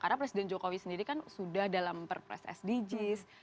karena presiden jokowi sendiri kan sudah dalam perpres sdgs